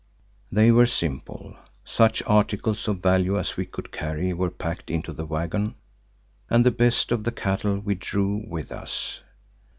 They were simple; such articles of value as we could carry were packed into the waggon and the best of the cattle we drove with us.